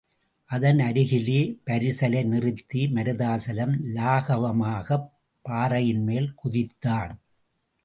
அதன் அருகிலே பரிசலை நிறுத்தி மருதாசலம் லாகவமாகப் பாறையின்மேல் குதித்தான்.